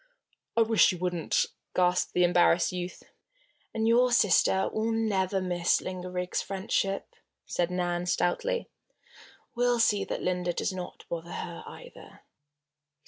"I wish you wouldn't!" gasped the embarrassed youth. "And your sister will never miss Linda Riggs' friendship," said Nan, stoutly. "We'll see that Linda does not bother her, either."